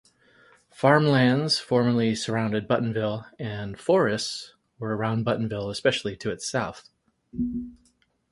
Farmlands formerly surrounded Buttonville and forests were around Buttonville especially to its south.